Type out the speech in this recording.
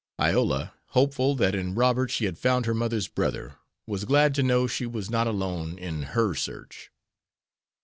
Iola, hopeful that in Robert she had found her mother's brother, was glad to know she was not alone in her search.